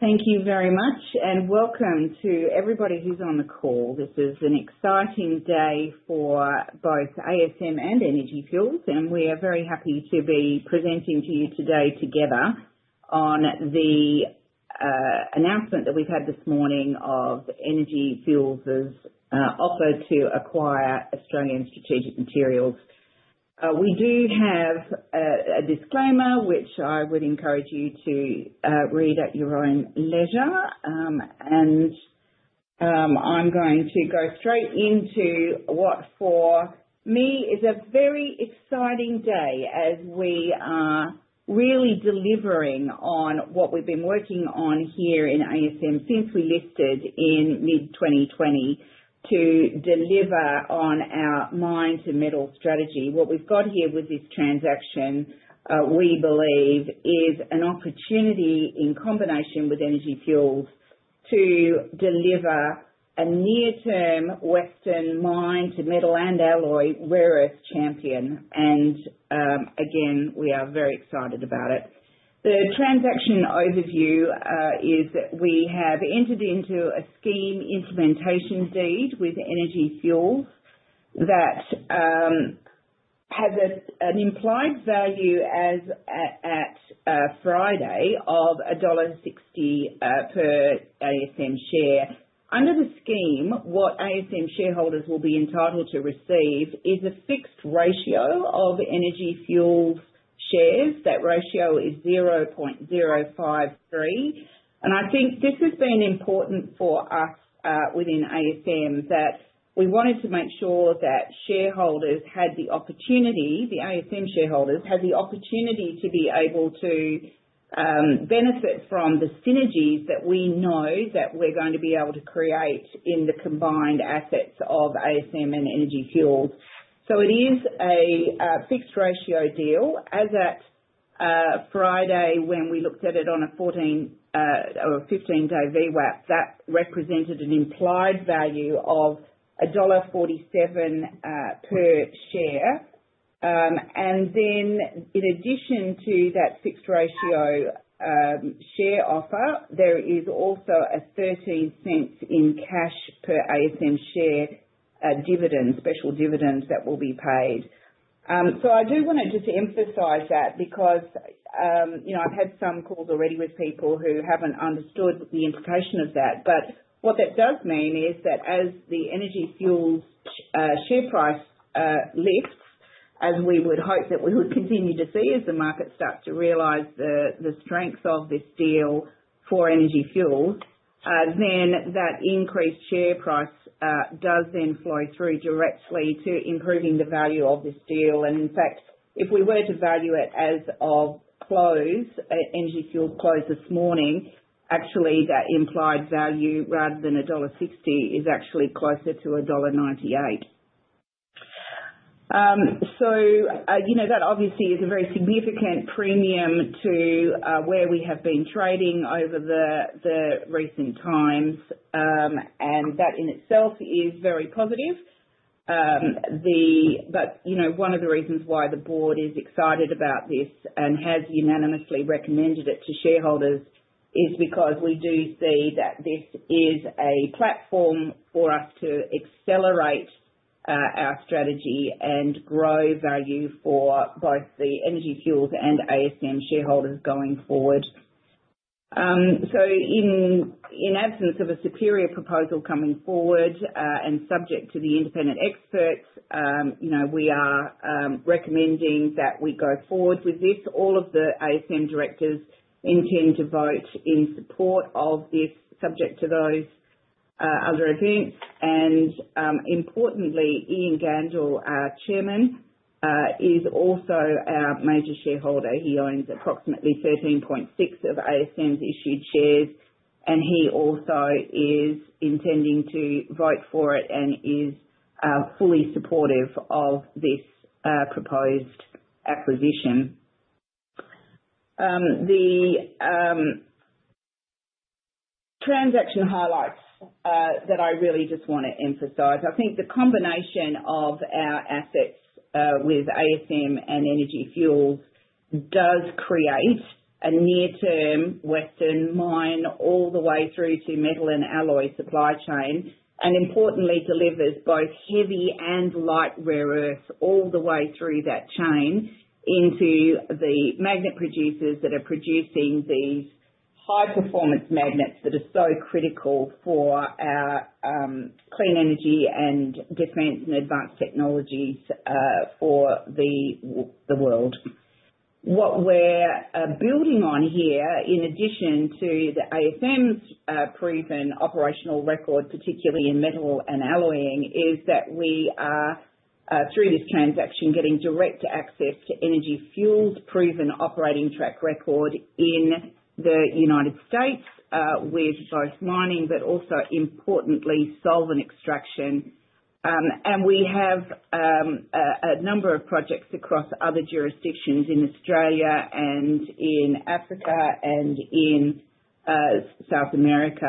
Thank you very much, and welcome to everybody who's on the call. This is an exciting day for both ASM and Energy Fuels, and we are very happy to be presenting to you today together on the announcement that we've had this morning of Energy Fuels' offer to acquire Australian Strategic Materials. We do have a disclaimer, which I would encourage you to read at your own leisure, and I'm going to go straight into what, for me, is a very exciting day as we are really delivering on what we've been working on here in ASM since we listed in mid-2020 to deliver on our mine-to-metal strategy. What we've got here with this transaction, we believe, is an opportunity in combination with Energy Fuels to deliver a near-term Western mine-to-metal and alloy rare earth champion, and again, we are very excited about it. The transaction overview is that we have entered into a scheme implementation deed with Energy Fuels that has an implied value as at Friday of 1.60 dollar per ASM share. Under the scheme, what ASM shareholders will be entitled to receive is a fixed ratio of Energy Fuels shares. That ratio is 0.053, and I think this has been important for us within ASM that we wanted to make sure that shareholders had the opportunity, the ASM shareholders had the opportunity, to be able to benefit from the synergies that we know that we're going to be able to create in the combined assets of ASM and Energy Fuels. So it is a fixed ratio deal. As at Friday, when we looked at it on a 14 or 15-day VWAP, that represented an implied value of dollar 1.47 per share. And then, in addition to that fixed ratio share offer, there is also 0.13 in cash per ASM share dividend, special dividend, that will be paid. So I do want to just emphasize that because I've had some calls already with people who haven't understood the implication of that. But what that does mean is that as the Energy Fuels share price lifts, as we would hope that we would continue to see as the market starts to realize the strength of this deal for Energy Fuels, then that increased share price does then flow through directly to improving the value of this deal. And in fact, if we were to value it as of close, Energy Fuels closed this morning, actually that implied value, rather than dollar 1.60, is actually closer to dollar 1.98. That obviously is a very significant premium to where we have been trading over the recent times, and that in itself is very positive. But one of the reasons why the board is excited about this and has unanimously recommended it to shareholders is because we do see that this is a platform for us to accelerate our strategy and grow value for both the Energy Fuels and ASM shareholders going forward. So in absence of a superior proposal coming forward and subject to the independent experts, we are recommending that we go forward with this. All of the ASM directors intend to vote in support of this, subject to those other events. And importantly, Ian Gandel, our chairman, is also our major shareholder. He owns approximately 13.6% of ASM's issued shares, and he also is intending to vote for it and is fully supportive of this proposed acquisition. The transaction highlights that I really just want to emphasize, I think the combination of our assets with ASM and Energy Fuels does create a near-term Western mine all the way through to metal and alloy supply chain and, importantly, delivers both heavy and light rare earth all the way through that chain into the magnet producers that are producing these high-performance magnets that are so critical for our clean energy and defense and advanced technologies for the world. What we're building on here, in addition to the ASM's proven operational record, particularly in metal and alloying, is that we are, through this transaction, getting direct access to Energy Fuels' proven operating track record in the United States with both mining but also, importantly, solvent extraction. And we have a number of projects across other jurisdictions in Australia and in Africa and in South America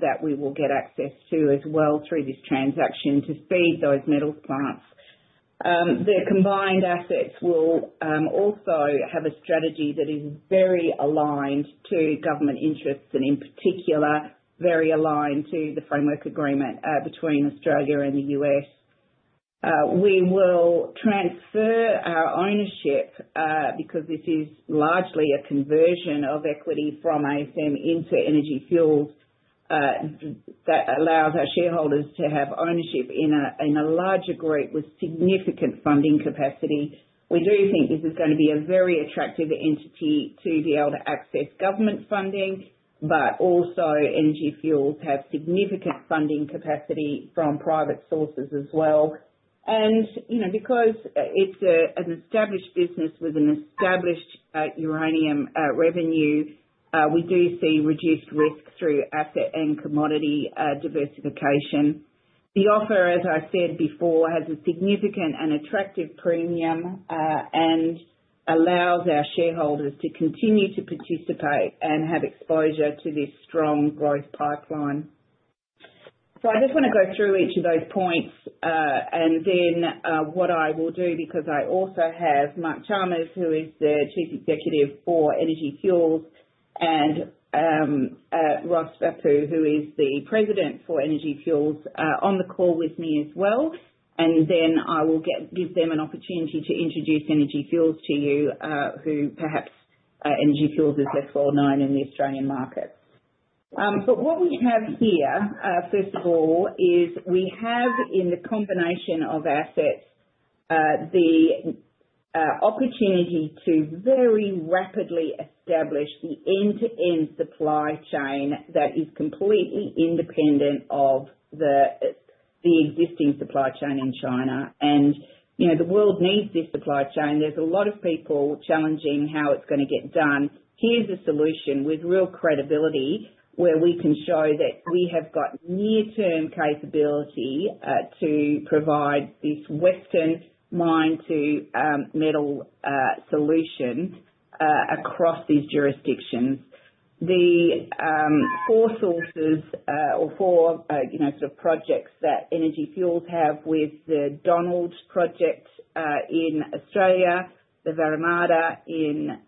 that we will get access to as well through this transaction to feed those metal plants. The combined assets will also have a strategy that is very aligned to government interests and, in particular, very aligned to the framework agreement between Australia and the U.S. We will transfer our ownership because this is largely a conversion of equity from ASM into Energy Fuels that allows our shareholders to have ownership in a larger group with significant funding capacity. We do think this is going to be a very attractive entity to be able to access government funding, but also Energy Fuels has significant funding capacity from private sources as well. And because it's an established business with an established uranium revenue, we do see reduced risk through asset and commodity diversification. The offer, as I said before, has a significant and attractive premium and allows our shareholders to continue to participate and have exposure to this strong growth pipeline. So I just want to go through each of those points, and then what I will do, because I also have Mark Chalmers, who is the Chief Executive for Energy Fuels, and Ross Bhappu, who is the President for Energy Fuels, on the call with me as well, and then I will give them an opportunity to introduce Energy Fuels to you, who perhaps Energy Fuels is less well known in the Australian market, but what we have here, first of all, is we have, in the combination of assets, the opportunity to very rapidly establish the end-to-end supply chain that is completely independent of the existing supply chain in China. And the world needs this supply chain. There's a lot of people challenging how it's going to get done. Here's a solution with real credibility where we can show that we have got near-term capability to provide this Western mine-to-metal solution across these jurisdictions. The four sources or four sort of projects that Energy Fuels have with the Donald Project in Australia, the Vara Mada in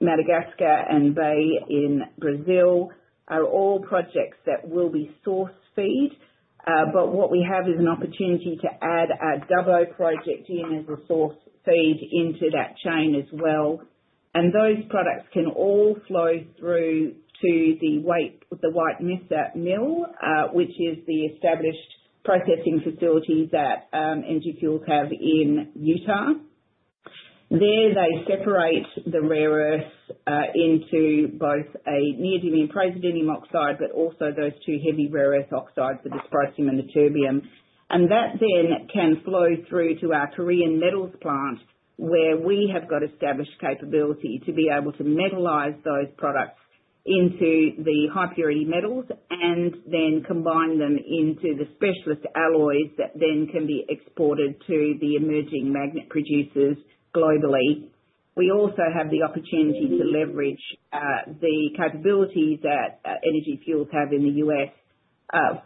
Madagascar, and Bahia in Brazil are all projects that will be source feed. But what we have is an opportunity to add our Dubbo Project in as a source feed into that chain as well. Those products can all flow through to the White Mesa Mill, which is the established processing facility that Energy Fuels have in Utah. There they separate the rare earths into both a neodymium and praseodymium oxide, but also those two heavy rare earth oxides, the dysprosium and the terbium. That then can flow through to our Korean Metals Plant where we have got established capability to be able to metallize those products into the high-purity metals and then combine them into the specialist alloys that then can be exported to the emerging magnet producers globally. We also have the opportunity to leverage the capabilities that Energy Fuels have in the U.S.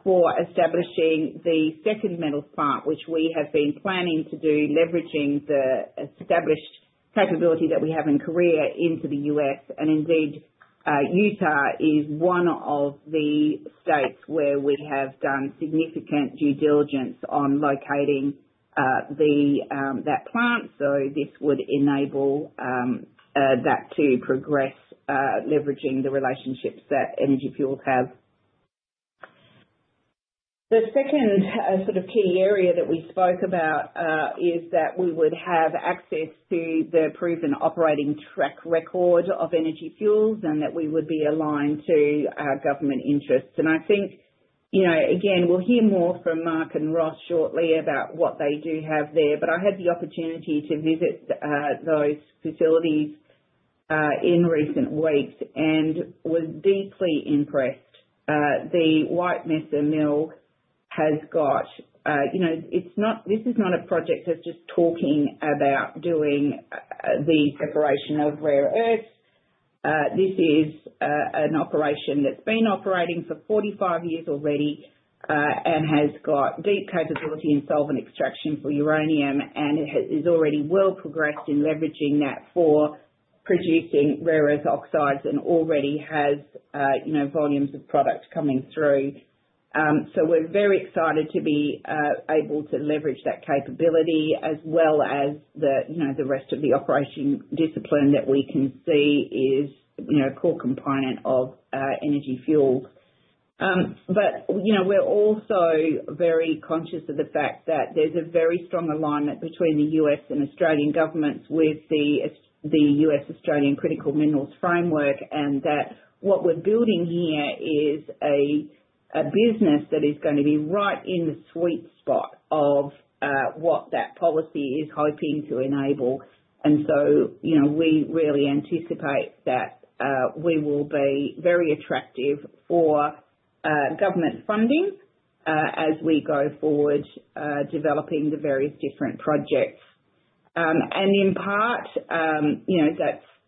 for establishing the second metal plant, which we have been planning to do, leveraging the established capability that we have in Korea into the U.S. Indeed, Utah is one of the states where we have done significant due diligence on locating that plant, so this would enable that to progress, leveraging the relationships that Energy Fuels have. The second sort of key area that we spoke about is that we would have access to the proven operating track record of Energy Fuels and that we would be aligned to our government interests. And I think, again, we'll hear more from Mark and Ross shortly about what they do have there. But I had the opportunity to visit those facilities in recent weeks and was deeply impressed. The White Mesa Mill has got. This is not a project that's just talking about doing the separation of rare earths. This is an operation that's been operating for 45 years already and has got deep capability in solvent extraction for uranium, and it has already well progressed in leveraging that for producing rare earth oxides and already has volumes of product coming through. So we're very excited to be able to leverage that capability as well as the rest of the operating discipline that we can see is a core component of Energy Fuels. But we're also very conscious of the fact that there's a very strong alignment between the U.S. and Australian governments with the U.S. Australian Critical Minerals Framework, and that what we're building here is a business that is going to be right in the sweet spot of what that policy is hoping to enable. And so we really anticipate that we will be very attractive for government funding as we go forward developing the various different projects. And in part,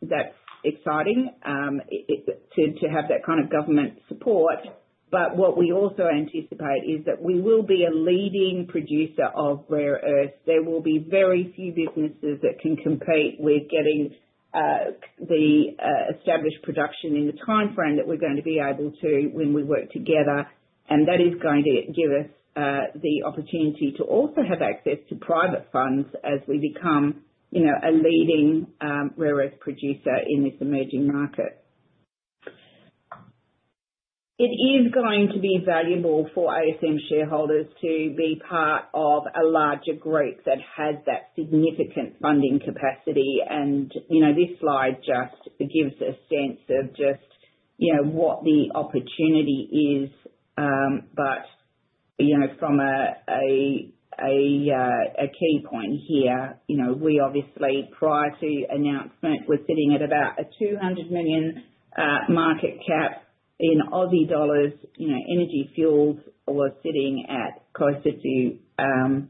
that's exciting to have that kind of government support. But what we also anticipate is that we will be a leading producer of rare earths. There will be very few businesses that can compete with getting the established production in the timeframe that we're going to be able to when we work together. And that is going to give us the opportunity to also have access to private funds as we become a leading rare earth producer in this emerging market. It is going to be valuable for ASM shareholders to be part of a larger group that has that significant funding capacity. And this slide just gives a sense of just what the opportunity is. But from a key point here, we obviously, prior to announcement, were sitting at about a 200 million market cap. Energy Fuels was sitting at closer to $5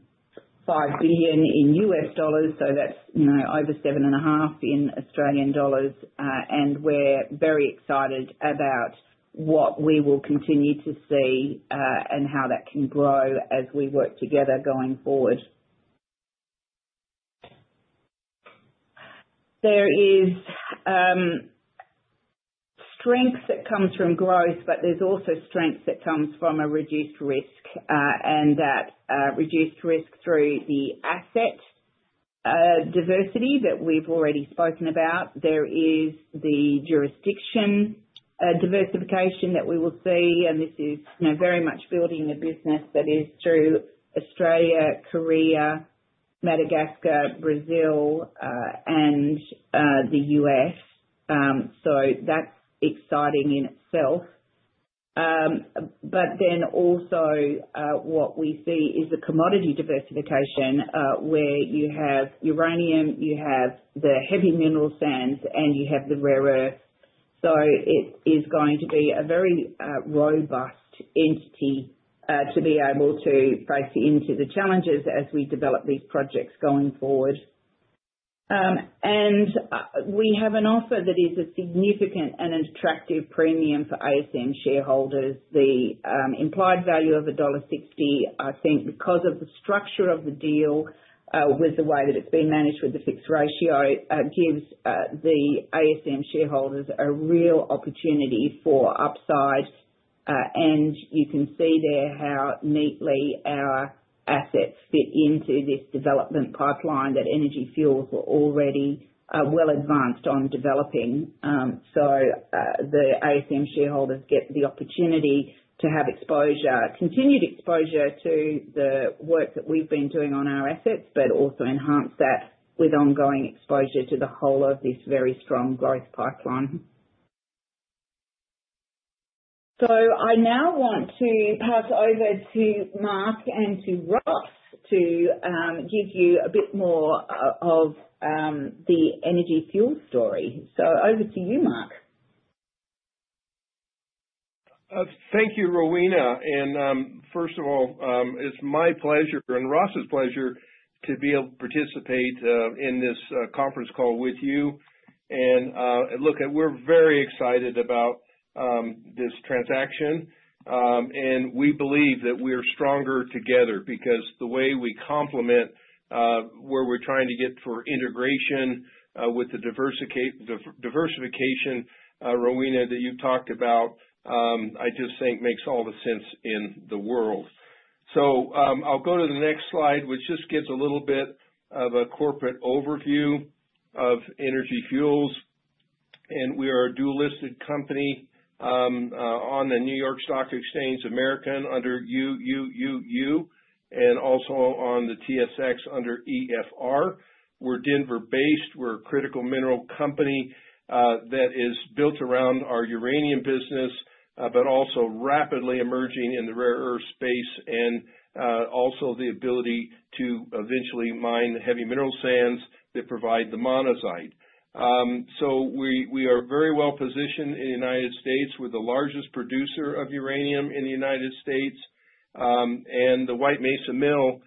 billion, so that's over 7.5 billion Australian dollars. And we're very excited about what we will continue to see and how that can grow as we work together going forward. There is strength that comes from growth, but there's also strength that comes from a reduced risk and that reduced risk through the asset diversity that we've already spoken about. There is the jurisdiction diversification that we will see, and this is very much building a business that is through Australia, Korea, Madagascar, Brazil, and the U.S. So that's exciting in itself. But then also what we see is the commodity diversification where you have uranium, you have the heavy mineral sands, and you have the rare earth. So it is going to be a very robust entity to be able to face into the challenges as we develop these projects going forward. And we have an offer that is a significant and attractive premium for ASM shareholders. The implied value of dollar 1.60, I think, because of the structure of the deal with the way that it's been managed with the fixed ratio, gives the ASM shareholders a real opportunity for upside, and you can see there how neatly our assets fit into this development pipeline that Energy Fuels were already well advanced on developing, so the ASM shareholders get the opportunity to have exposure, continued exposure to the work that we've been doing on our assets, but also enhance that with ongoing exposure to the whole of this very strong growth pipeline, so I now want to pass over to Mark and to Ross to give you a bit more of the Energy Fuels story, so over to you, Mark. Thank you, Rowena, and first of all, it's my pleasure and Ross's pleasure to be able to participate in this conference call with you. Look, we're very excited about this transaction. We believe that we are stronger together because the way we complement where we're trying to get for integration with the diversification, Rowena, that you've talked about. I just think makes all the sense in the world. I'll go to the next slide, which just gives a little bit of a corporate overview of Energy Fuels. We are a dual-listed company on the New York Stock Exchange American under UUUU, and also on the TSX under EFR. We're Denver-based. We're a critical mineral company that is built around our uranium business, but also rapidly emerging in the rare earth space and also the ability to eventually mine the heavy mineral sands that provide the monazite. We are very well positioned in the United States with the largest producer of uranium in the United States. The White Mesa Mill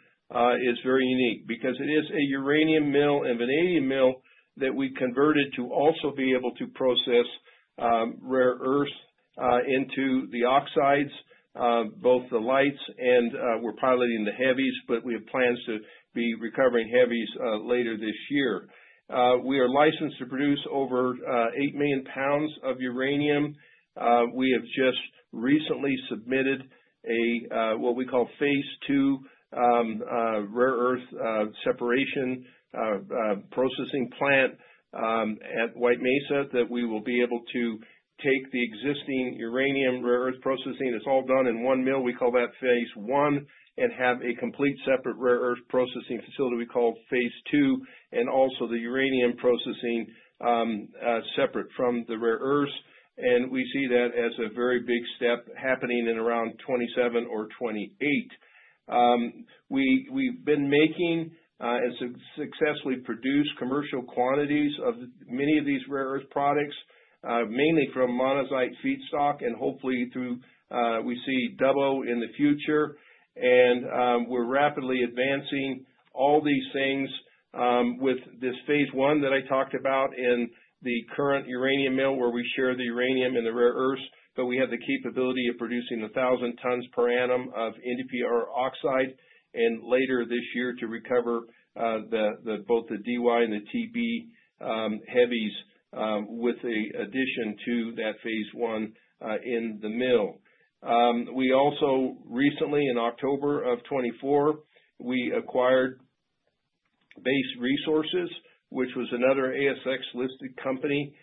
is very unique because it is a uranium mill and vanadium mill that we converted to also be able to process rare earth into the oxides, both the lights, and we're piloting the heavies, but we have plans to be recovering heavies later this year. We are licensed to produce over 8 million lbs of uranium. We have just recently submitted a what we call phase II rare earth separation processing plant at White Mesa that we will be able to take the existing uranium rare earth processing. It's all done in one mill. We call that phase I and have a complete separate rare earth processing facility we call phase II and also the uranium processing separate from the rare earths. We see that as a very big step happening in around 2027 or 2028. We've been making and successfully produced commercial quantities of many of these rare earth products, mainly from monazite feedstock and hopefully through we see Dubbo in the future, and we're rapidly advancing all these things with this phase I that I talked about in the current uranium mill where we share the uranium and the rare earths, but we have the capability of producing 1,000 tons per annum of NdPr oxide and later this year to recover both the Dy and the Tb heavies with the addition to that phase I in the mill. We also recently, in October of 2024, we acquired Base Resources, which was another ASX-listed company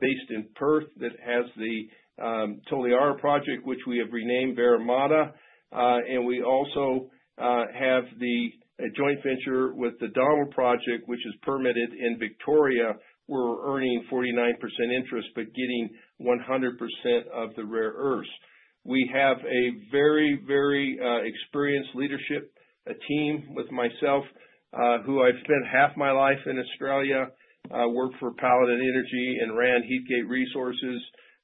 based in Perth that has the Toliara project, which we have renamed Vara Mada, and we also have the joint venture with the Donald project, which is permitted in Victoria. We're earning 49% interest, but getting 100% of the rare earths. We have a very, very experienced leadership team with myself, who I've spent half my life in Australia, worked for Paladin Energy and ran Heathgate Resources.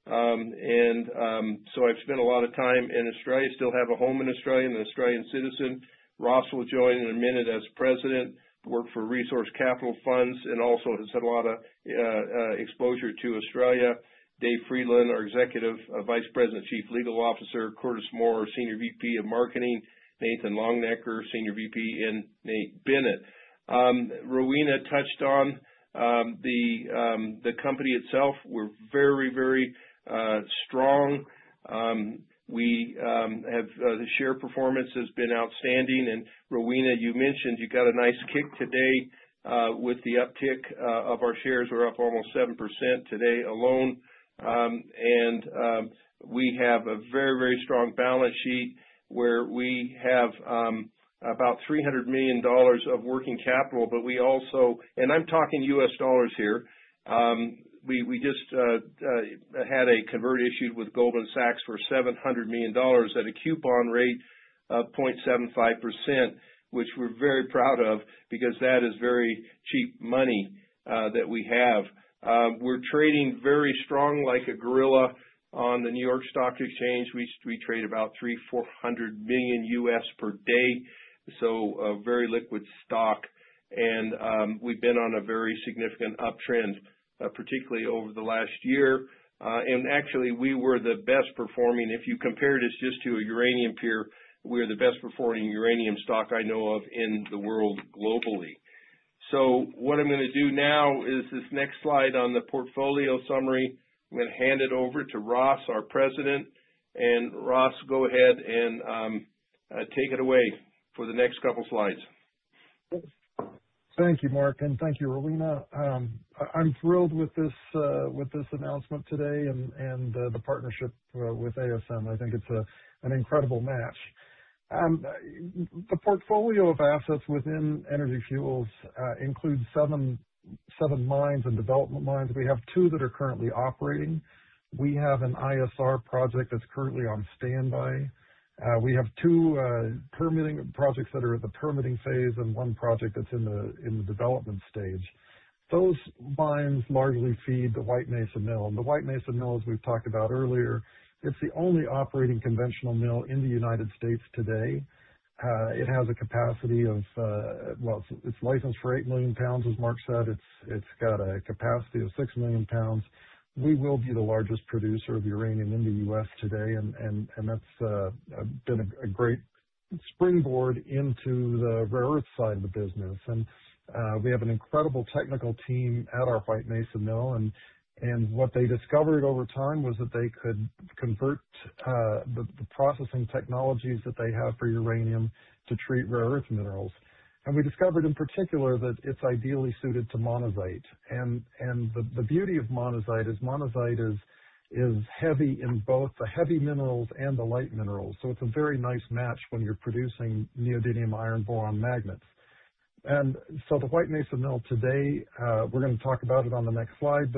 So I've spent a lot of time in Australia, still have a home in Australia and an Australian citizen. Ross will join in a minute as president, worked for Resource Capital Funds and also has had a lot of exposure to Australia. Dave Frydenlund, our Executive Vice President, Chief Legal Officer, Curtis Moore, Senior VP of Marketing, Nathan Longenecker, Senior VP, and Nate Bennett. Rowena touched on the company itself. We're very, very strong. The share performance has been outstanding. Rowena, you mentioned you got a nice kick today with the uptick of our shares. We're up almost 7% today alone. We have a very, very strong balance sheet where we have about $300 million of working capital, but we also, and I'm talking U.S. dollars here, we just had a convert issued with Goldman Sachs for $700 million at a coupon rate of 0.75%, which we're very proud of because that is very cheap money that we have. We're trading very strong like a gorilla on the New York Stock Exchange. We trade about $300 million-$400 million per day. So a very liquid stock. We've been on a very significant uptrend, particularly over the last year. Actually, we were the best performing. If you compare this just to a uranium peer, we are the best performing uranium stock I know of in the world globally. What I'm going to do now is this next slide on the portfolio summary. I'm going to hand it over to Ross, our president. And Ross, go ahead and take it away for the next couple of slides. Thank you, Mark, and thank you, Rowena. I'm thrilled with this announcement today and the partnership with ASM. I think it's an incredible match. The portfolio of assets within Energy Fuels includes seven mines and development mines. We have two that are currently operating. We have an ISR project that's currently on standby. We have two permitting projects that are in the permitting phase and one project that's in the development stage. Those mines largely feed the White Mesa Mill. And the White Mesa Mill, as we've talked about earlier, it's the only operating conventional mill in the United States today. It has a capacity of, well, it's licensed for 8 million lbs, as Mark said. It's got a capacity of 6 million lbs. We will be the largest producer of uranium in the U.S. today, and that's been a great springboard into the rare earth side of the business. And we have an incredible technical team at our White Mesa Mill. And what they discovered over time was that they could convert the processing technologies that they have for uranium to treat rare earth minerals. And we discovered in particular that it's ideally suited to Monazite. And the beauty of monazite is monazite is heavy in both the heavy minerals and the light minerals. So it's a very nice match when you're producing neodymium iron boron magnets. The White Mesa Mill today, we're going to talk about it on the next slide,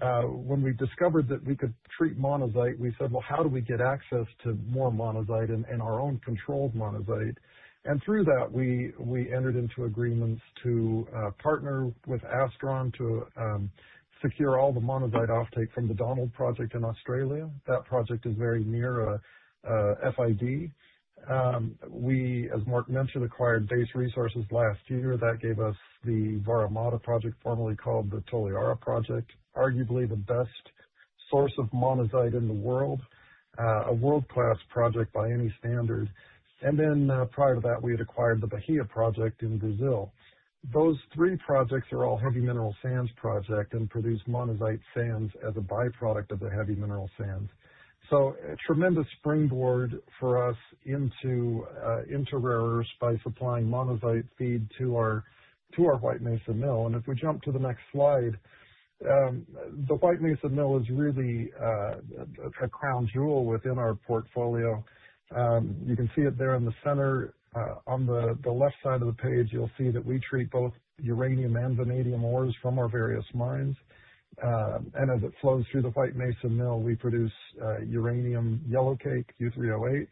but when we discovered that we could treat monazite, we said, "Well, how do we get access to more monazite and our own controlled monazite?" Through that, we entered into agreements to partner with Astron to secure all the monazite offtake from the Donald project in Australia. That project is very near FID. We, as Mark mentioned, acquired Base Resources last year. That gave us the Vara Mada project, formerly called the Toliara project, arguably the best source of monazite in the world, a world-class project by any standard. Then prior to that, we had acquired the Bahia project in Brazil. Those three projects are all heavy mineral sands projects and produce monazite sands as a byproduct of the heavy mineral sands. is a tremendous springboard for us into rare earths by supplying monazite feed to our White Mesa Mill. If we jump to the next slide, the White Mesa Mill is really a crown jewel within our portfolio. You can see it there in the center. On the left side of the page, you will see that we treat both uranium and vanadium ores from our various mines. As it flows through the White Mesa Mill, we produce uranium yellowcake, U3O8.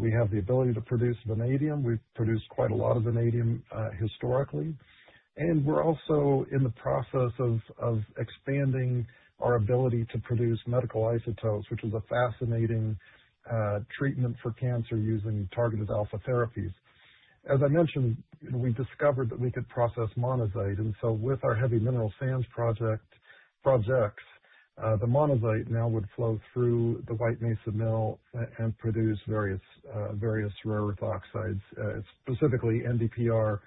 We have the ability to produce vanadium. We have produced quite a lot of vanadium historically. We are also in the process of expanding our ability to produce medical isotopes, which is a fascinating treatment for cancer using targeted alpha therapies. As I mentioned, we discovered that we could process monazite. With our heavy mineral sands projects, the monazite now would flow through the White Mesa Mill and produce various rare earth oxides, specifically NdPr,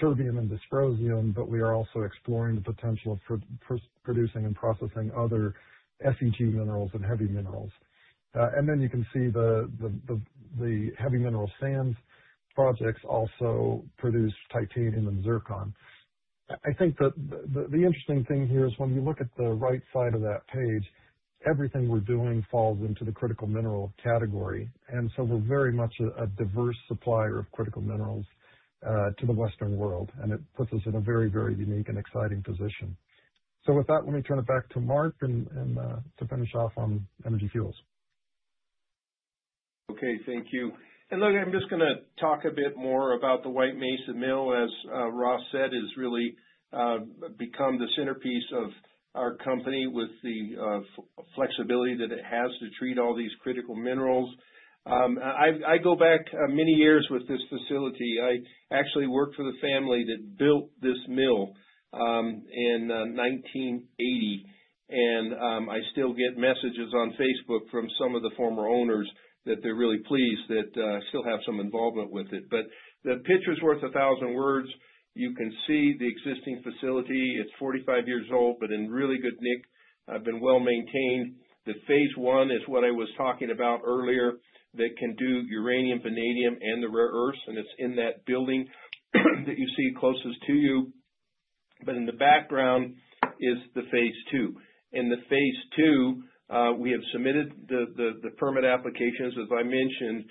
terbium, and dysprosium. But we are also exploring the potential of producing and processing other REE minerals and heavy minerals. And then you can see the heavy mineral sands projects also produce titanium and zircon. I think the interesting thing here is when you look at the right side of that page, everything we're doing falls into the critical mineral category. And so we're very much a diverse supplier of critical minerals to the Western world. And it puts us in a very, very unique and exciting position. So with that, let me turn it back to Mark to finish off on Energy Fuels. Okay. Thank you. And look, I'm just going to talk a bit more about the White Mesa Mill. As Ross said, it has really become the centerpiece of our company with the flexibility that it has to treat all these critical minerals. I go back many years with this facility. I actually worked for the family that built this mill in 1980. And I still get messages on Facebook from some of the former owners that they're really pleased that I still have some involvement with it. But the picture's worth a thousand words. You can see the existing facility. It's 45 years old, but in really good nick, been well maintained. The phase I is what I was talking about earlier that can do uranium, vanadium, and the rare earths. And it's in that building that you see closest to you. But in the background is the phase II. In the phase II, we have submitted the permit applications, as I mentioned,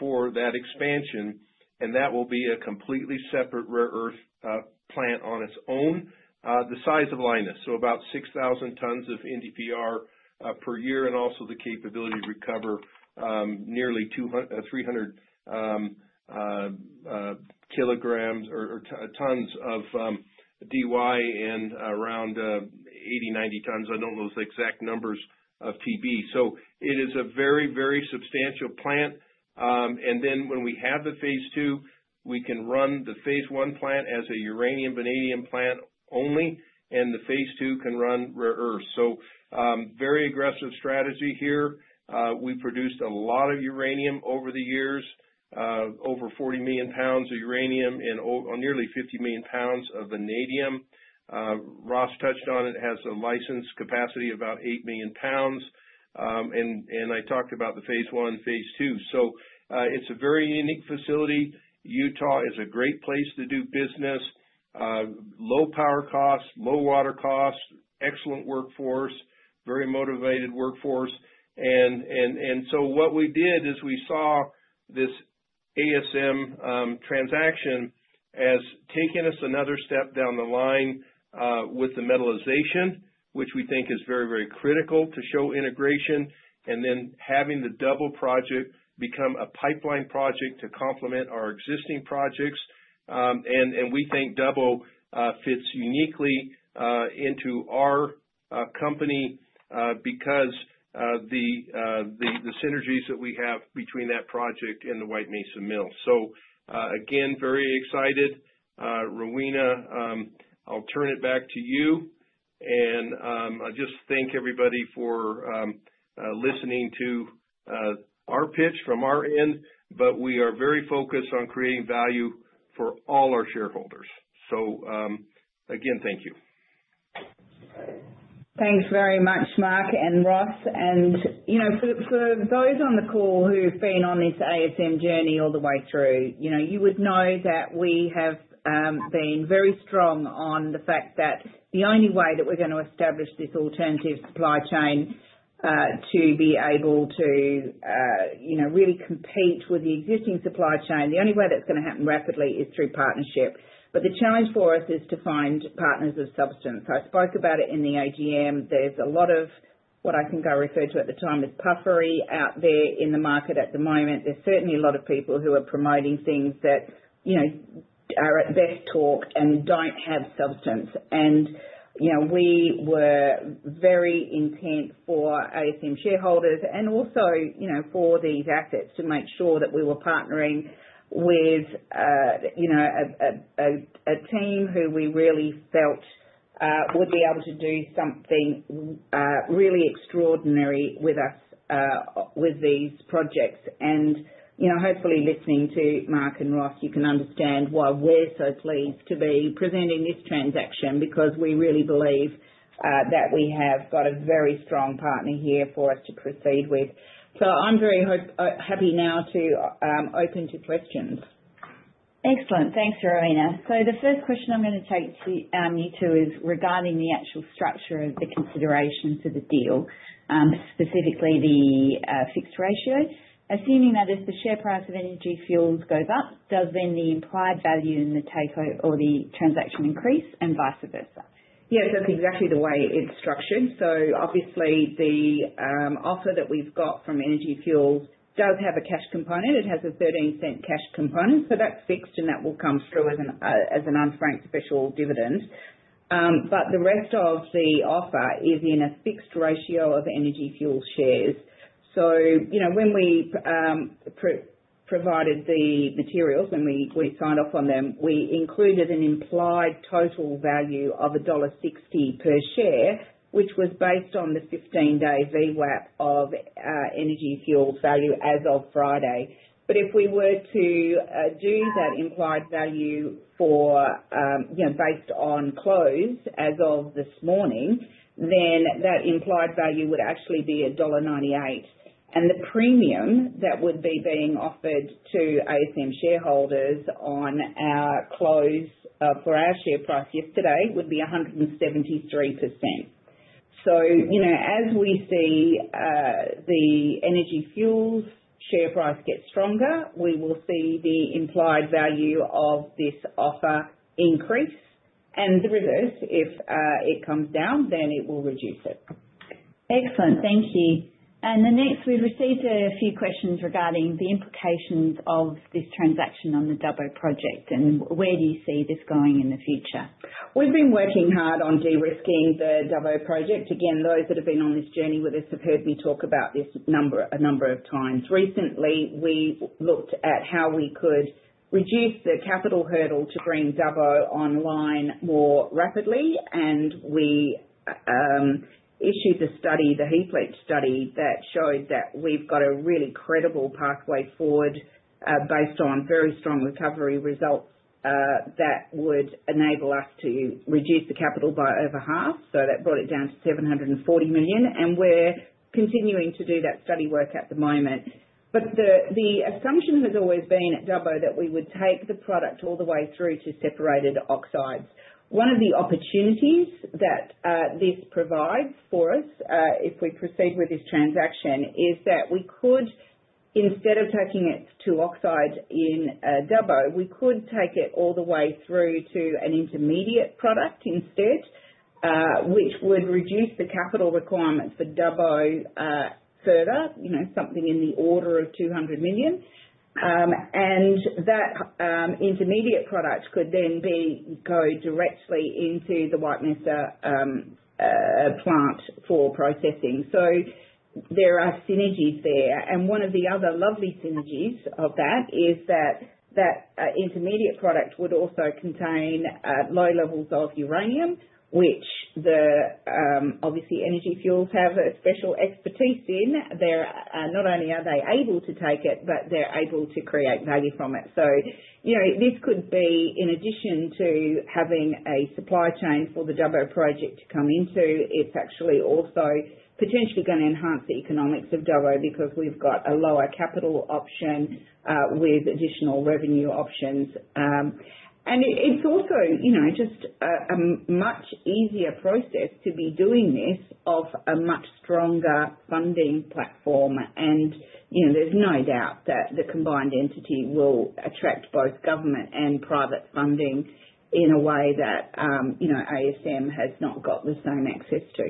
for that expansion. And that will be a completely separate rare earth plant on its own, the size of Lynas. So about 6,000 tons of NdPr per year and also the capability to recover nearly 300 kgs or tons of Dy and around 80 tons-90 tons. I don't know the exact numbers of Tb. So it is a very, very substantial plant. And then when we have the phase II, we can run the phase I plant as a uranium-vanadium plant only, and the phase II can run rare earths. So very aggressive strategy here. We produced a lot of uranium over the years, over 40 million lbs of uranium and nearly 50 million lbs of vanadium. Ross touched on it. It has a licensed capacity of about 8 million lbs. And I talked about the phase I, phase II. So it's a very unique facility. Utah is a great place to do business. Low power costs, low water costs, excellent workforce, very motivated workforce, and so what we did is we saw this ASM transaction as taking us another step down the line with the metallization, which we think is very, very critical to show integration, and then having the Dubbo Project become a pipeline project to complement our existing projects, and we think Dubbo fits uniquely into our company because of the synergies that we have between that project and the White Mesa Mill, so again, very excited. Rowena, I'll turn it back to you, and I just thank everybody for listening to our pitch from our end, but we are very focused on creating value for all our shareholders, so again, thank you. Thanks very much, Mark and Ross. And for those on the call who've been on this ASM journey all the way through, you would know that we have been very strong on the fact that the only way that we're going to establish this alternative supply chain to be able to really compete with the existing supply chain, the only way that's going to happen rapidly is through partnership. But the challenge for us is to find partners of substance. I spoke about it in the AGM. There's a lot of what I think I referred to at the time as puffery out there in the market at the moment. There's certainly a lot of people who are promoting things that are all talk and don't have substance. We were very intent for ASM shareholders and also for these assets to make sure that we were partnering with a team who we really felt would be able to do something really extraordinary with us with these projects. And hopefully, listening to Mark and Ross, you can understand why we're so pleased to be presenting this transaction because we really believe that we have got a very strong partner here for us to proceed with. So I'm very happy now to open to questions. Excellent. Thanks, Rowena. So the first question I'm going to take you to is regarding the actual structure of the consideration for the deal, specifically the fixed ratio. Assuming that if the share price of Energy Fuels goes up, does then the implied value in the takeover or the transaction increase and vice versa? Yes, that's exactly the way it's structured. So obviously, the offer that we've got from Energy Fuels does have a cash component. It has a 0.13 cash component. So that's fixed, and that will come through as an unsanctioned special dividend. But the rest of the offer is in a fixed ratio of Energy Fuels shares. So when we provided the materials and we signed off on them, we included an implied total value of dollar 1.60 per share, which was based on the 15-day VWAP of Energy Fuels' value as of Friday. But if we were to do that implied value based on close as of this morning, then that implied value would actually be dollar 1.98. And the premium that would be being offered to ASM shareholders on our close for our share price yesterday would be 173%. So as we see the Energy Fuels' share price get stronger, we will see the implied value of this offer increase. And the reverse, if it comes down, then it will reduce it. Excellent. Thank you. And the next, we've received a few questions regarding the implications of this transaction on the Dubbo Project. And where do you see this going in the future? We've been working hard on de-risking the Dubbo Project. Again, those that have been on this journey with us have heard me talk about this a number of times. Recently, we looked at how we could reduce the capital hurdle to bring Dubbo online more rapidly. And we issued the study, the heap leach study, that showed that we've got a really credible pathway forward based on very strong recovery results that would enable us to reduce the capital by over half. So that brought it down to 740 million. And we're continuing to do that study work at the moment. But the assumption has always been at Dubbo that we would take the product all the way through to separated oxides. One of the opportunities that this provides for us if we proceed with this transaction is that we could, instead of taking it to oxide in Dubbo, we could take it all the way through to an intermediate product instead, which would reduce the capital requirements for Dubbo further, something in the order of 200 million. And that intermediate product could then go directly into the White Mesa plant for processing. So there are synergies there. And one of the other lovely synergies of that is that that intermediate product would also contain low levels of uranium, which obviously Energy Fuels have a special expertise in. Not only are they able to take it, but they're able to create value from it. So this could be, in addition to having a supply chain for the Dubbo Project to come into, it's actually also potentially going to enhance the economics of Dubbo because we've got a lower capital option with additional revenue options. And it's also just a much easier process to be doing this off a much stronger funding platform. And there's no doubt that the combined entity will attract both government and private funding in a way that ASM has not got the same access to.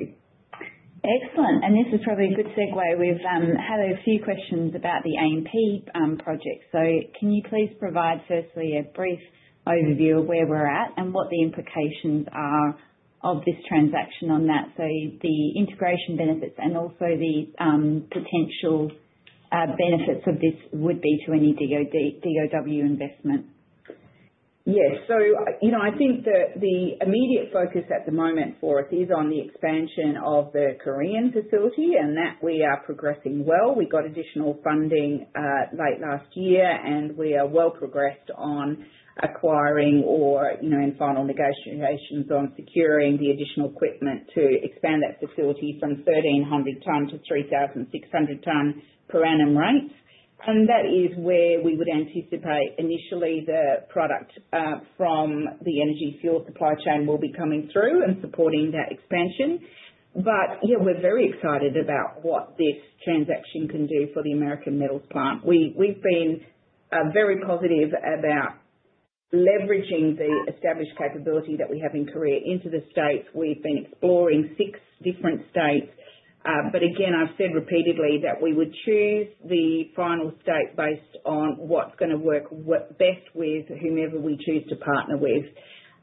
Excellent. And this is probably a good segue. We've had a few questions about the AMP project. So can you please provide firstly a brief overview of where we're at and what the implications are of this transaction on that, so the integration benefits and also the potential benefits of this would be to any DoW investment? Yes. So I think that the immediate focus at the moment for us is on the expansion of the Korean facility and that we are progressing well. We got additional funding late last year, and we are well progressed on acquiring or in final negotiations on securing the additional equipment to expand that facility from 1,300 ton to 3,600 ton per annum rates. And that is where we would anticipate initially the product from the Energy Fuels' supply chain will be coming through and supporting that expansion. But yeah, we're very excited about what this transaction can do for the Korean Metals Plant. We've been very positive about leveraging the established capability that we have in Korea into the states. We've been exploring six different states. But again, I've said repeatedly that we would choose the final state based on what's going to work best with whomever we choose to partner with.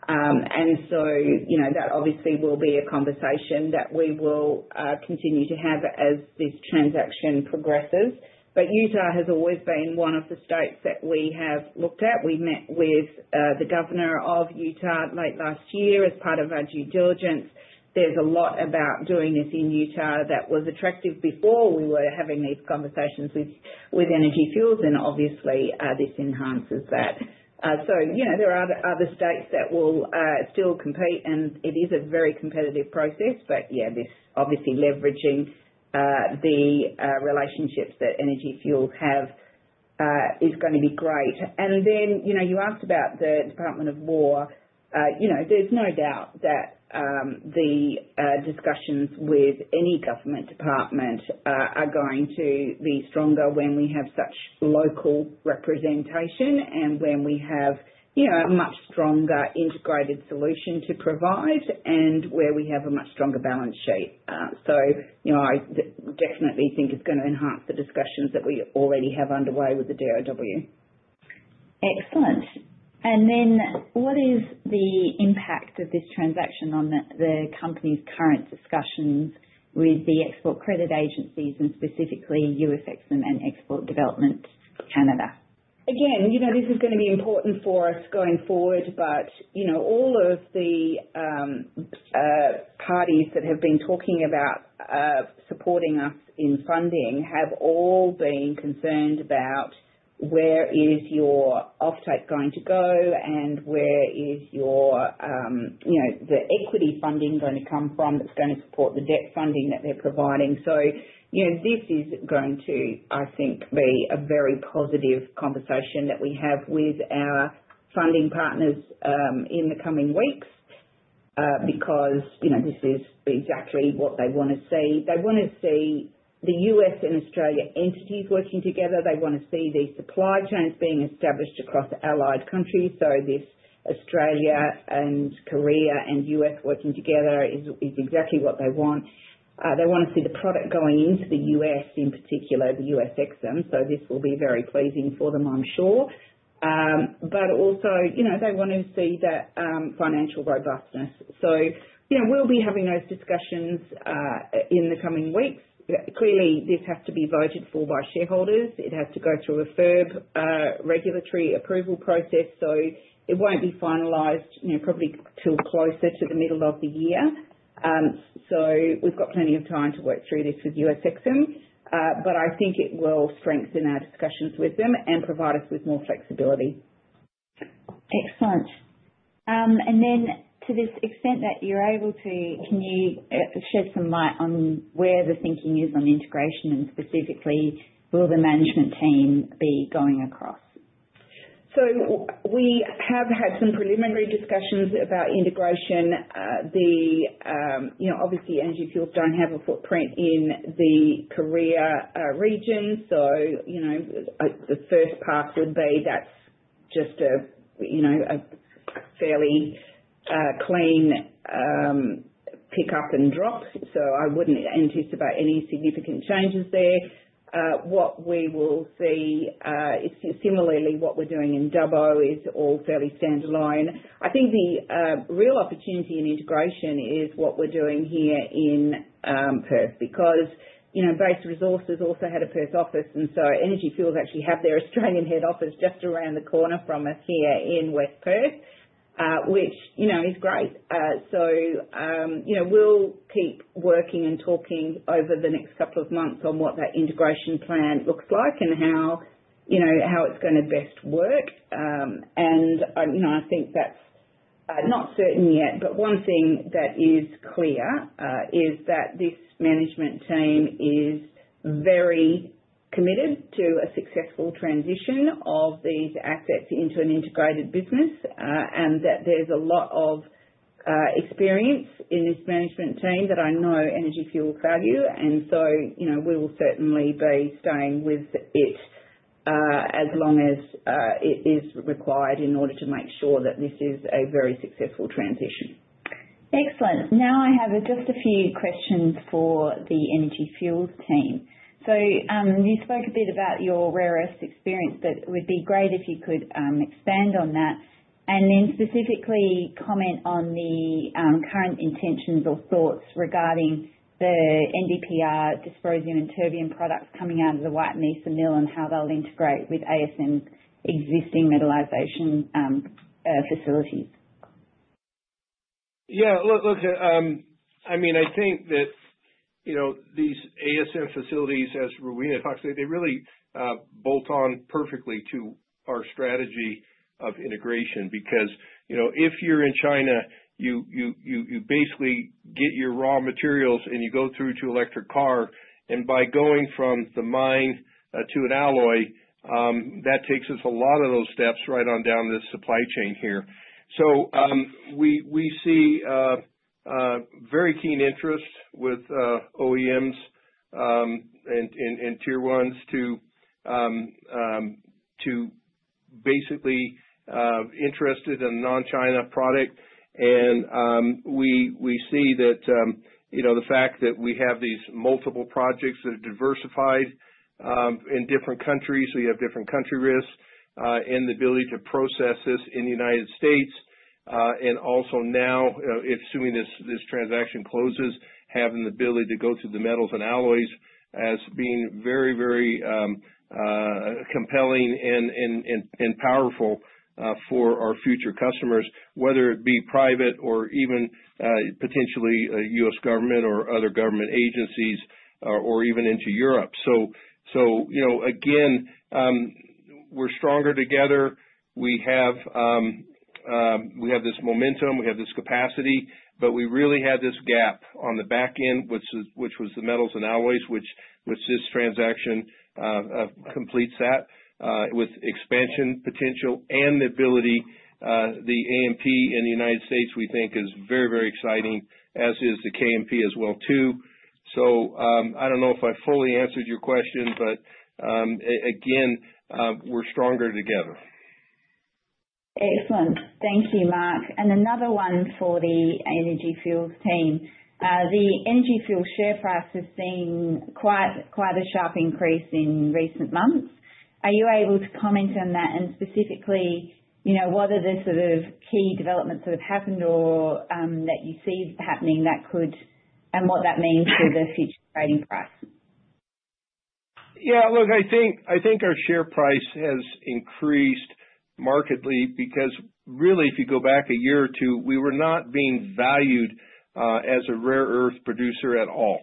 And so that obviously will be a conversation that we will continue to have as this transaction progresses. But Utah has always been one of the states that we have looked at. We met with the governor of Utah late last year as part of our due diligence. There's a lot about doing this in Utah that was attractive before we were having these conversations with Energy Fuels. And obviously, this enhances that. So there are other states that will still compete, and it is a very competitive process. But yeah, obviously, leveraging the relationships that Energy Fuels have is going to be great. And then you asked about the Department of War. There's no doubt that the discussions with any government department are going to be stronger when we have such local representation and when we have a much stronger integrated solution to provide and where we have a much stronger balance sheet. So I definitely think it's going to enhance the discussions that we already have underway with the DoW. Excellent. And then what is the impact of this transaction on the company's current discussions with the export credit agencies and specifically U.S. EXIM and Export Development Canada? Again, this is going to be important for us going forward, but all of the parties that have been talking about supporting us in funding have all been concerned about where is your offtake going to go and where is the equity funding going to come from that's going to support the debt funding that they're providing. So this is going to, I think, be a very positive conversation that we have with our funding partners in the coming weeks because this is exactly what they want to see. They want to see the U.S. and Australia entities working together. They want to see these supply chains being established across allied countries. So this Australia and Korea and U.S. working together is exactly what they want. They want to see the product going into the U.S., in particular the U.S. EXIM. So this will be very pleasing for them, I'm sure. But also, they want to see that financial robustness. So we'll be having those discussions in the coming weeks. Clearly, this has to be voted for by shareholders. It has to go through a FIRB regulatory approval process. So it won't be finalized probably till closer to the middle of the year. So we've got plenty of time to work through this with U.S. EXIM. But I think it will strengthen our discussions with them and provide us with more flexibility. Excellent. And then to the extent that you're able to, can you shed some light on where the thinking is on integration and specifically who the management team be going across? So we have had some preliminary discussions about integration. Obviously, Energy Fuels don't have a footprint in the Korea region. So the first part would be that's just a fairly clean pickup and drop. So I wouldn't anticipate any significant changes there. What we will see, similarly, what we're doing in Dubbo is all fairly standalone. I think the real opportunity in integration is what we're doing here in Perth because Base Resources also had a Perth office. And so Energy Fuels actually have their Australian head office just around the corner from us here in West Perth, which is great. So we'll keep working and talking over the next couple of months on what that integration plan looks like and how it's going to best work. And I think that's not certain yet. But one thing that is clear is that this management team is very committed to a successful transition of these assets into an integrated business, and that there's a lot of experience in this management team that I know Energy Fuels value. And so we will certainly be staying with it as long as it is required in order to make sure that this is a very successful transition. Excellent. Now I have just a few questions for the Energy Fuels team. So you spoke a bit about your rare earths experience, but it would be great if you could expand on that and then specifically comment on the current intentions or thoughts regarding the NdPr, dysprosium, and terbium products coming out of the White Mesa Mill and how they'll integrate with ASM's existing metallization facilities. Yeah. Look, I mean, I think that these ASM facilities, as Rowena talked today, they really bolt on perfectly to our strategy of integration because if you're in China, you basically get your raw materials and you go through to electric car, and by going from the mine to an alloy, that takes us a lot of those steps right on down the supply chain here, so we see very keen interest with OEMs and tier ones to basically interested in a non-China product, and we see that the fact that we have these multiple projects that are diversified in different countries, so you have different country risks and the ability to process this in the United States. And also now, assuming this transaction closes, having the ability to go through the metals and alloys as being very, very compelling and powerful for our future customers, whether it be private or even potentially U.S. government or other government agencies or even into Europe. So again, we're stronger together. We have this momentum. We have this capacity. But we really have this gap on the back end, which was the metals and alloys, which this transaction completes that with expansion potential and the ability the AMP in the United States, we think, is very, very exciting, as is the KMP as well too. So I don't know if I fully answered your question, but again, we're stronger together. Excellent. Thank you, Mark. And another one for the Energy Fuels team. The Energy Fuels share price has seen quite a sharp increase in recent months. Are you able to comment on that and specifically what are the sort of key developments that have happened or that you see happening that could and what that means for the future trading price? Yeah. Look, I think our share price has increased markedly because really, if you go back a year or two, we were not being valued as a rare earth producer at all.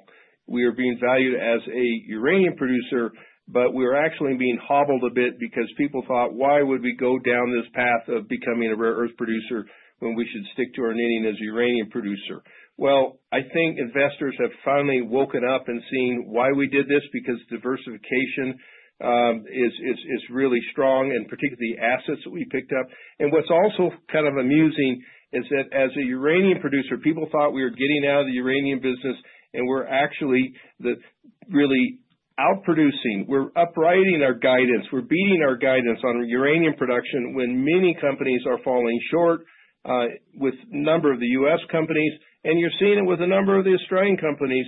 We were being valued as a uranium producer, but we were actually being hobbled a bit because people thought, "Why would we go down this path of becoming a rare earth producer when we should stick to our nitty-nitty as a uranium producer?" Well, I think investors have finally woken up and seen why we did this because diversification is really strong and particularly the assets that we picked up. And what's also kind of amusing is that, as a uranium producer, people thought we were getting out of the uranium business and we're actually really outproducing. We're updating our guidance. We're beating our guidance on uranium production when many companies are falling short with a number of the U.S. companies. And you're seeing it with a number of the Australian companies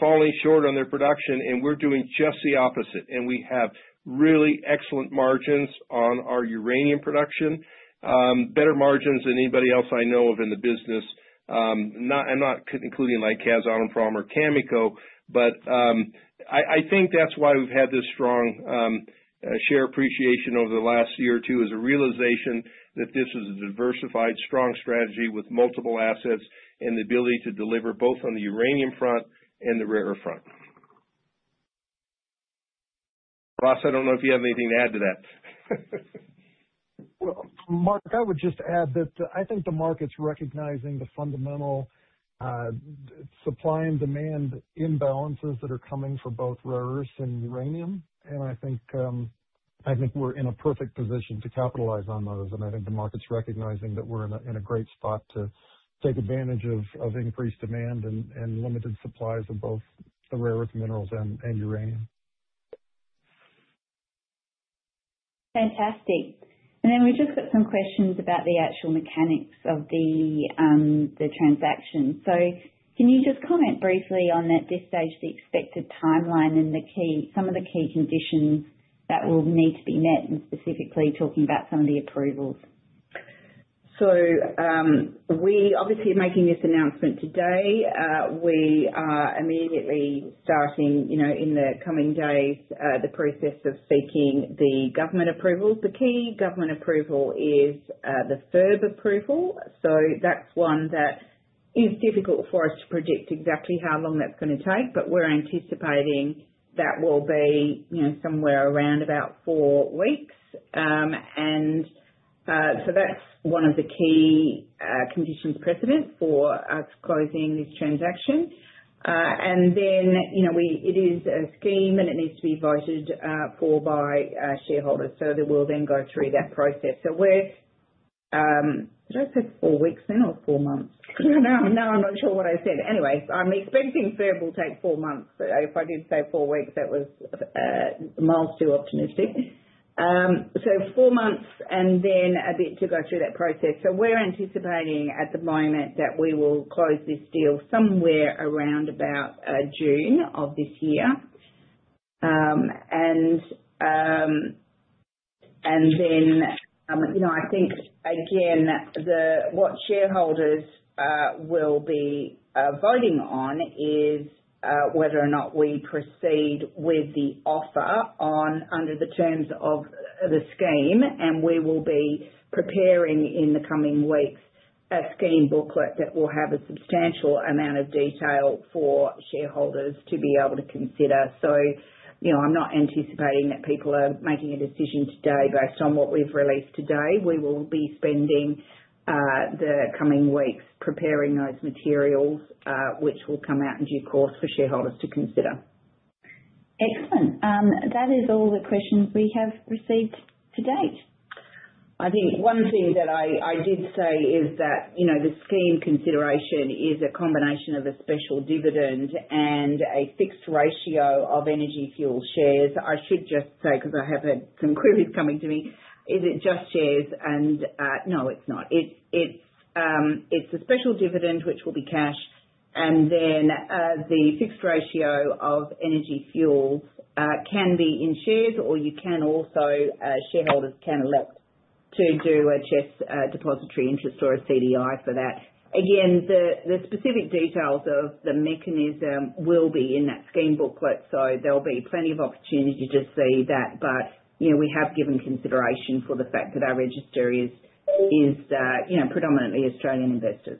falling short on their production. And we're doing just the opposite. And we have really excellent margins on our uranium production, better margins than anybody else I know of in the business, not including like Kaz, Orano, or Cameco. But I think that's why we've had this strong share appreciation over the last year or two is a realization that this is a diversified, strong strategy with multiple assets and the ability to deliver both on the uranium front and the rare earth front. Ross, I don't know if you have anything to add to that. Well, Mark, I would just add that I think the market's recognizing the fundamental supply and demand imbalances that are coming for both rare earths and uranium, and I think we're in a perfect position to capitalize on those, and I think the market's recognizing that we're in a great spot to take advantage of increased demand and limited supplies of both the rare earth minerals and uranium. Fantastic, and then we just got some questions about the actual mechanics of the transaction, so can you just comment briefly on at this stage the expected timeline and some of the key conditions that will need to be met and specifically talking about some of the approvals. So we obviously are making this announcement today. We are immediately starting in the coming days the process of seeking the government approvals. The key government approval is the FIRB approval. So that's one that is difficult for us to predict exactly how long that's going to take. But we're anticipating that will be somewhere around about four weeks. And so that's one of the key conditions precedent for us closing this transaction. And then it is a scheme and it needs to be voted for by shareholders. So they will then go through that process. So, did I say four weeks then or four months? No, I'm not sure what I said. Anyway, I'm expecting FIRB will take four months. So if I did say four weeks, that was miles too optimistic. So four months and then a bit to go through that process. So we're anticipating at the moment that we will close this deal somewhere around about June of this year. And then I think, again, what shareholders will be voting on is whether or not we proceed with the offer under the terms of the scheme. And we will be preparing in the coming weeks a scheme booklet that will have a substantial amount of detail for shareholders to be able to consider. So I'm not anticipating that people are making a decision today based on what we've released today. We will be spending the coming weeks preparing those materials, which will come out in due course for shareholders to consider. Excellent. That is all the questions we have received to date. I think one thing that I did say is that the scheme consideration is a combination of a special dividend and a fixed ratio of Energy Fuels shares. I should just say, because I have some queries coming to me, is it just shares? And no, it's not. It's a special dividend, which will be cash. And then the fixed ratio of Energy Fuels can be in shares or you can also shareholders can elect to do a CHESS Depositary Interest or a CDI for that. Again, the specific details of the mechanism will be in that scheme booklet. So there'll be plenty of opportunity to see that. But we have given consideration for the fact that our register is predominantly Australian investors.